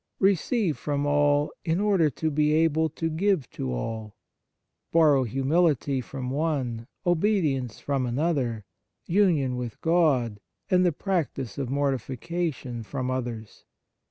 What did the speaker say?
Receive from all, in order to be able to give to all. Borrow humility from one, obedience from another, union with God, and the practice of mortifi cation from others.